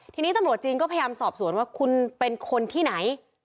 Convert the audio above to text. ทีนี้ตำรวจจีนก็พยายามสอบสวนว่าคุณเป็นคนที่ไหน